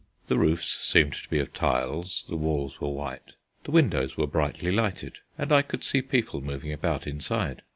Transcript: The roofs seemed to be of tiles, the walls were white, the windows were brightly lighted, and I could see people moving about inside.